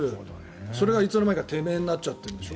それがいつの間にかてめえになっちゃってるんでしょ。